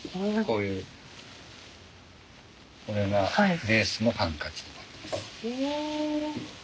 こういうこれがレースのハンカチになります。